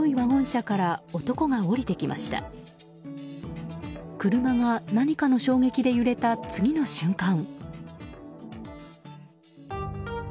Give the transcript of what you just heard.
車が何かの衝撃で揺れた次の瞬間。